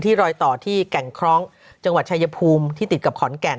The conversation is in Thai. รอยต่อที่แก่งคล้องจังหวัดชายภูมิที่ติดกับขอนแก่น